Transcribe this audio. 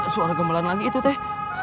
suara gemelan lagi itu teh